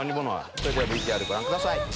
それではＶＴＲご覧ください。